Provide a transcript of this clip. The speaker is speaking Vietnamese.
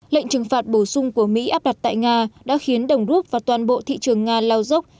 lệnh trừng phạt bổ sung của mỹ áp đặt tại nga đã khiến đồng rút vào toàn bộ thị trường nga lao dốc